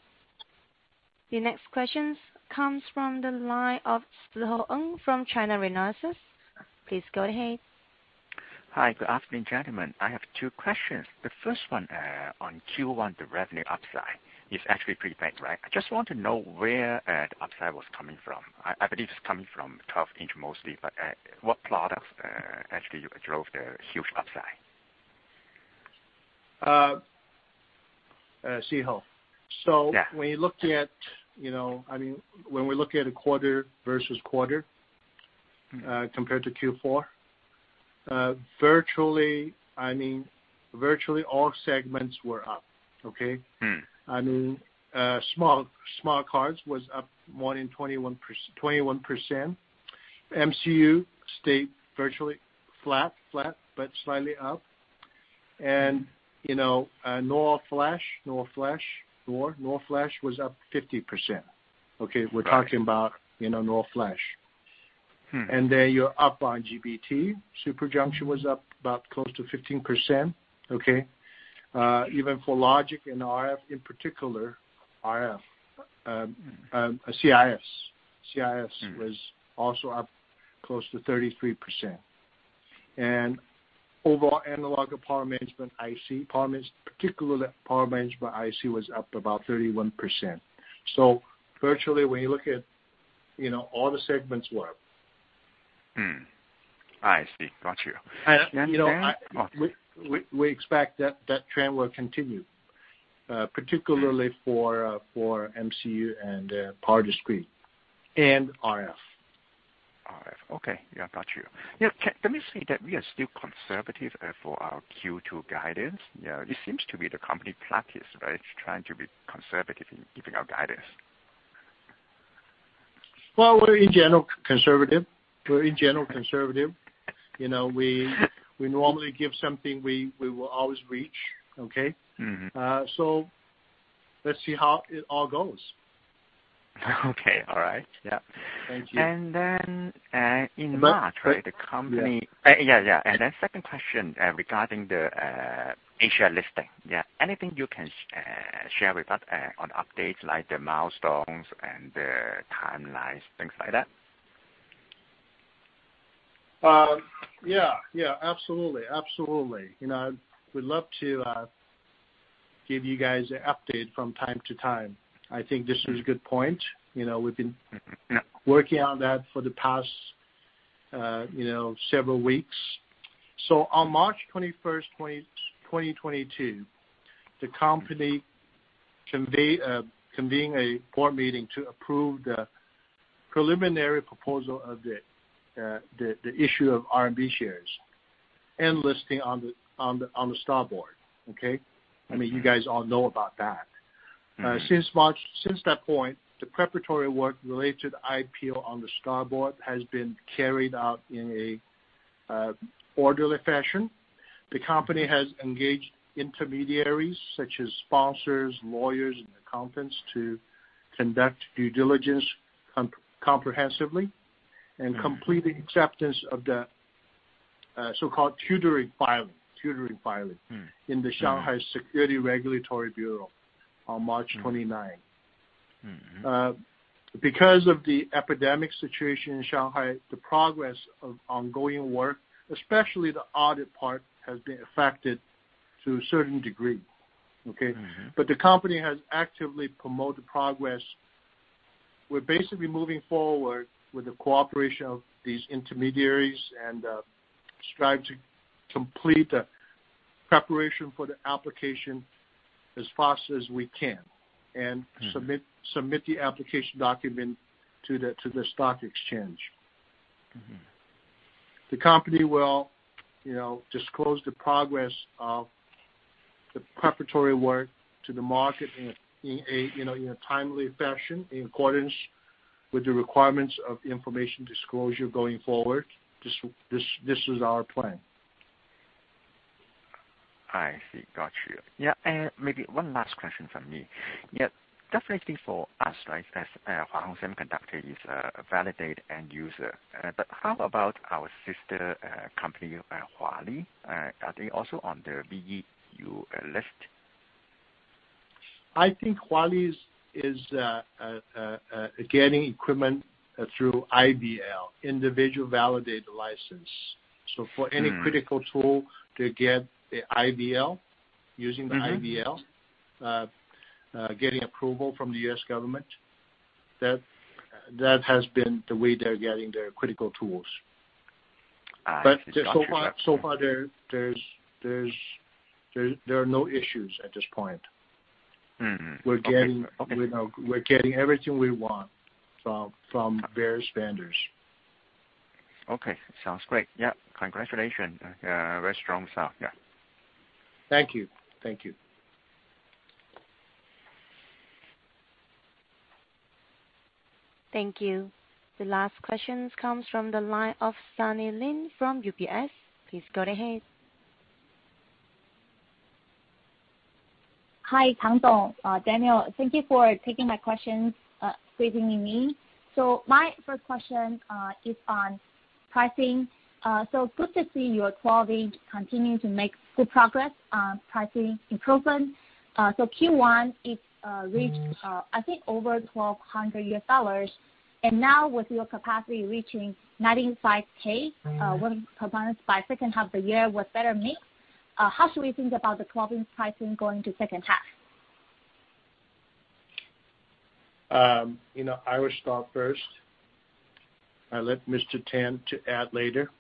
Speaker 6: Your next questions comes from the line of Szeho Ng from China Renaissance. Please go ahead.
Speaker 8: Hi. Good afternoon, gentlemen. I have two questions. The first one, on Q1, the revenue upside is actually pretty big, right? I just want to know where the upside was coming from. I believe it's coming from 12-inch mostly, but what products actually drove the huge upside?
Speaker 2: Szeho.
Speaker 8: Yeah.
Speaker 2: When you looked at, you know, I mean, when we look at a quarter versus quarter, compared to Q4, virtually, I mean, virtually all segments were up. Okay?
Speaker 8: Mm.
Speaker 2: I mean, smart cards was up more than 21%. MCU stayed virtually flat, but slightly up. You know, NOR flash was up 50%. Okay. We're talking about, you know, NOR flash.
Speaker 8: Hmm.
Speaker 2: You're up on IGBT. Super junction was up about close to 15%. Okay? Even for Logic and RF in particular, RF, CIS.
Speaker 8: Mm.
Speaker 2: was also up close to 33%. Overall analog and power management IC, particularly power management IC was up about 31%. Virtually when you look at, you know, all the segments were up.
Speaker 8: I see. Got you.
Speaker 2: You know, I.
Speaker 8: And then-
Speaker 2: We expect that trend will continue, particularly for MCU and power discrete and RF.
Speaker 8: Okay. Yeah, got you. Yeah, let me say that we are still conservative for our Q2 guidance. You know, this seems to be the company practice, right? Trying to be conservative in giving our guidance.
Speaker 2: Well, we're in general conservative. You know, we normally give something we will always reach. Okay?
Speaker 8: Mm-hmm.
Speaker 2: Let's see how it all goes.
Speaker 8: Okay. All right. Yeah.
Speaker 2: Thank you.
Speaker 8: And then in March.
Speaker 2: Right.
Speaker 8: The company.
Speaker 2: Yeah.
Speaker 8: Yeah, yeah. Second question, regarding the A-share listing. Yeah. Anything you can share with us on updates, like the milestones and the timelines, things like that?
Speaker 2: Yeah. Absolutely. You know, we'd love to give you guys an update from time to time. I think this is a good point. You know, we've been.
Speaker 8: Yeah.
Speaker 2: working on that for the past, you know, several weeks. On March 21, 2022, the company convened a board meeting to approve the preliminary proposal of the issue of RMB shares and listing on the STAR Market. Okay? I mean, you guys all know about that.
Speaker 8: Mm-hmm.
Speaker 2: Since March, since that point, the preparatory work related IPO on the STAR Market has been carried out in a orderly fashion. The company has engaged intermediaries such as sponsors, lawyers and accountants to conduct due diligence comprehensively and complete the acceptance of the so-called tutoring filing.
Speaker 8: Mm.
Speaker 2: in the Shanghai Securities Regulatory Bureau on March 29.
Speaker 8: Mm. Mm-hmm.
Speaker 2: Because of the epidemic situation in Shanghai, the progress of ongoing work, especially the audit part, has been affected to a certain degree. Okay.
Speaker 8: Mm-hmm.
Speaker 2: The company has actively promoted progress. We're basically moving forward with the cooperation of these intermediaries and strive to complete the preparation for the application as fast as we can and submit the application document to the stock exchange.
Speaker 8: Mm-hmm.
Speaker 2: The company will, you know, disclose the progress of the preparatory work to the market in a timely fashion in accordance with the requirements of information disclosure going forward. This is our plan.
Speaker 8: I see. Got you. Yeah, maybe one last question from me. Yeah. Definitely for us, right, as Hua Hong Semiconductor is a Validated End-User. But how about our sister company, Huali? Are they also on the VEU list?
Speaker 2: I think Huali is getting equipment through IVL, Individual Validated License. For any-
Speaker 8: Mm.
Speaker 2: critical tool to get the IVL, using the IVL
Speaker 8: Mm-hmm.
Speaker 2: getting approval from the U.S. government, that has been the way they're getting their critical tools.
Speaker 8: I see. Got you.
Speaker 2: So far, there are no issues at this point.
Speaker 8: Okay.
Speaker 2: We're getting, you know, everything we want from various vendors.
Speaker 8: Okay. Sounds great. Yeah. Congratulations. Very strong stuff. Yeah.
Speaker 2: Thank you. Thank you.
Speaker 6: Thank you. The last question comes from the line of Sunny Lin from UBS. Please go ahead.
Speaker 9: Hi, Tang Zong. Daniel, thank you for taking my questions, giving me. My first question is on pricing. Good to see your company continue to make good progress on pricing improvement. Q1 it reached, I think over $1,200. Now with your capacity reaching 95K, when commencing by second half of the year with better mix, how should we think about the 12-inch pricing going to second half?
Speaker 2: You know, I will start first. I let Mr. Tang to add later.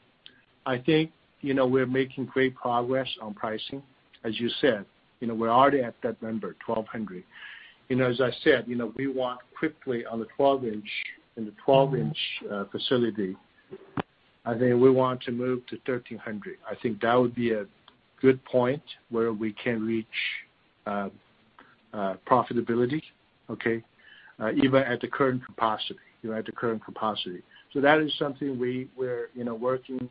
Speaker 2: I think, you know, we're making great progress on pricing, as you said. You know, we're already at that number, $1,200. You know, as I said, you know, we want quickly on the 12-inch, in the 12-inch facility. I think we want to move to $1,300. I think that would be a good point where we can reach profitability, okay? Even at the current capacity, you know, at the current capacity. That is something we're, you know, working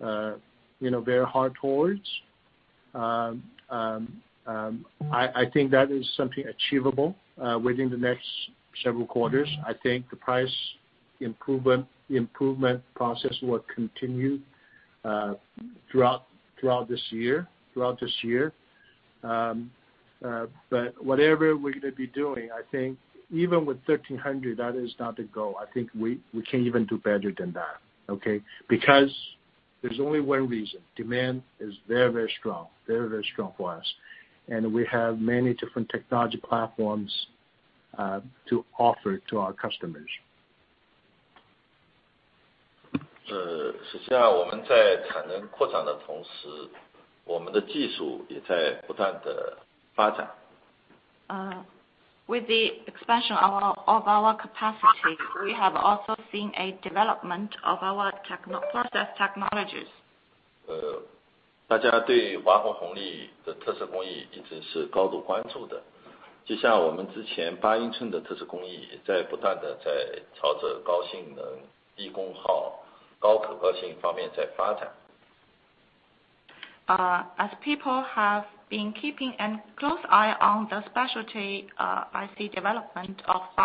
Speaker 2: very hard towards. I think that is something achievable within the next several quarters. I think the price improvement process will continue throughout this year. whatever we're gonna be doing, I think even with 1,300, that is not the goal. I think we can even do better than that, okay? Because there's only one reason, demand is very, very strong, very, very strong for us, and we have many different technology platforms to offer to our customers.
Speaker 3: With the expansion of our capacity, we have also seen a development of our process technologies. As people have been keeping a close eye on the specialty IC development of Hua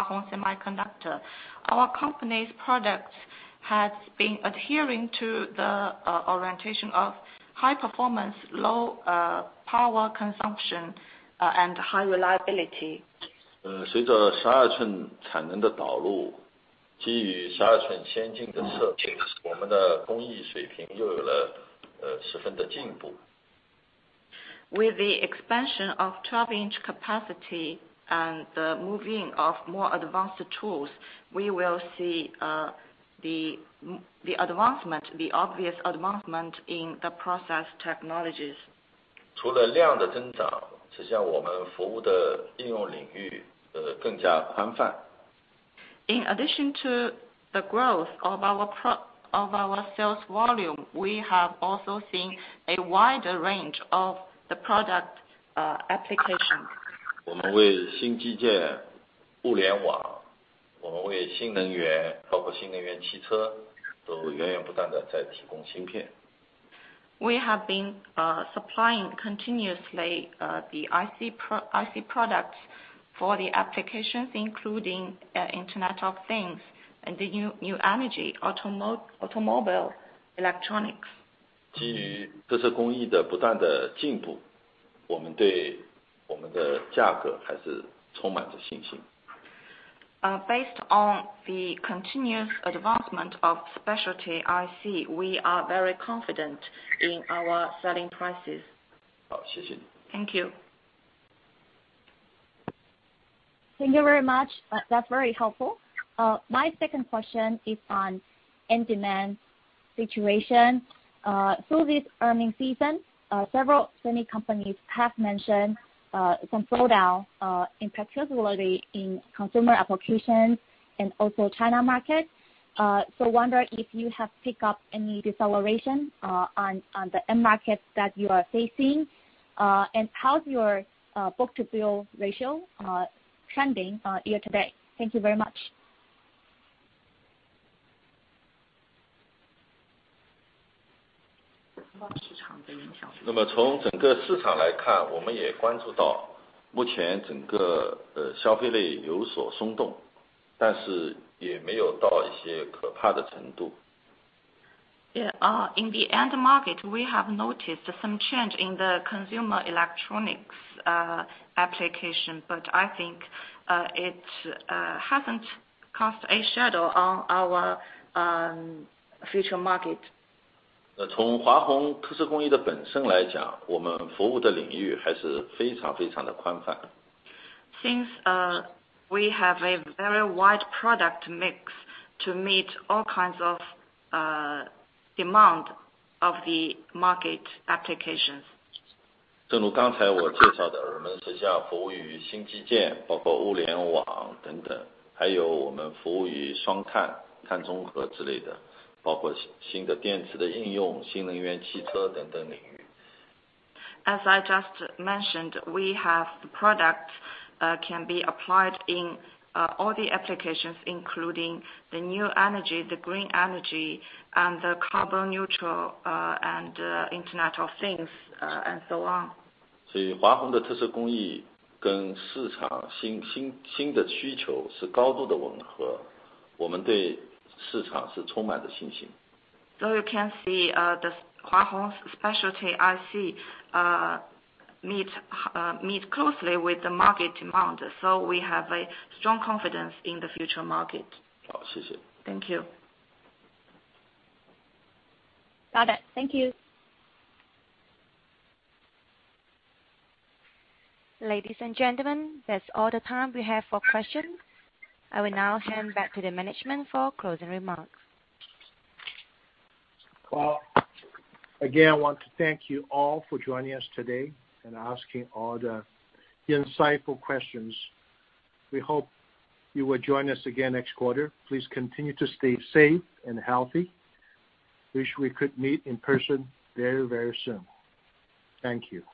Speaker 3: Hong Semiconductor, our company's products has been adhering to the orientation of high performance, low power consumption, and high reliability. With the expansion of 12-inch capacity and the moving of more advanced tools, we will see the obvious advancement in the process technologies. In addition to the growth of our sales volume, we have also seen a wider range of the product application. We have been supplying continuously the IC products for the applications including Internet of Things and the new energy automobile electronics. Based on the continuous advancement of specialty IC, we are very confident in our selling prices. Thank you.
Speaker 9: Thank you very much. That's very helpful. My second question is on end demand situation. Through this earnings season, several semi companies have mentioned some slowdown, in particular in consumer applications and also China market. Wonder if you have picked up any deceleration on the end markets that you are facing. How's your book-to-bill ratio trending year to date? Thank you very much.
Speaker 3: Yeah. In the end market, we have noticed some change in the consumer electronics application, but I think it hasn't cast a shadow on our future market. Since we have a very wide product mix to meet all kinds of demand of the market applications. As I just mentioned, we have the products can be applied in all the applications including the new energy, the green energy, and the carbon neutral, and Internet of Things, and so on. So you can see the Hua Hong's specialty IC meet closely with the market demand. So we have a strong confidence in the future market. Thank you.
Speaker 9: Got it. Thank you.
Speaker 1: Ladies and gentlemen, that's all the time we have for questions. I will now hand back to the management for closing remarks.
Speaker 2: Well, again, I want to thank you all for joining us today and asking all the insightful questions. We hope you will join us again next quarter. Please continue to stay safe and healthy. Wish we could meet in person very, very soon. Thank you.